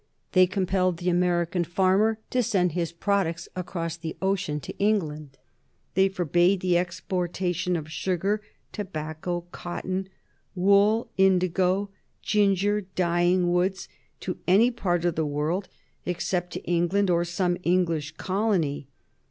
They compelled the American farmer to send his products across the ocean to England. They forbade the exportation of sugar, tobacco, cotton, wool, indigo, ginger, dyeing woods to any part of the world except to England or some English colony.